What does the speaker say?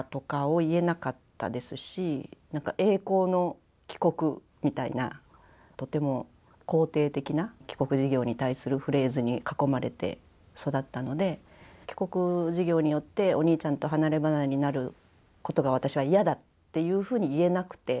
「栄光の帰国」みたいなとても肯定的な帰国事業に対するフレーズに囲まれて育ったので帰国事業によってお兄ちゃんと離れ離れになることが私は嫌だっていうふうに言えなくて。